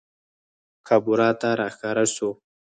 کابورا ته راښکاره سوو